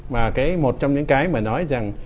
mà cái một trong những cái mà nói rằng